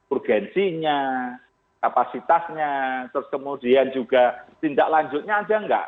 urgensinya kapasitasnya terus kemudian juga tindak lanjutnya aja nggak